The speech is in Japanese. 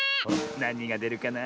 なにがでるかな？